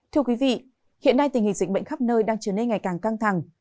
thưa quý vị hiện nay tình hình dịch bệnh khắp nơi đang trở nên ngày càng căng thẳng